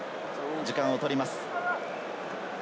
時間をとります。